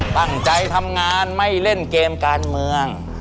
ตั้งใจทำงานไม่เล่นเกมการเมือง